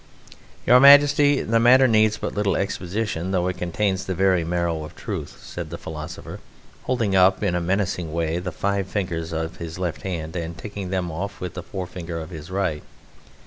"Your Majesty, the matter needs but little exposition, though it contains the very marrow of truth," said the philosopher, holding up in a menacing way the five fingers of his left hand and ticking them off with the forefinger of his right.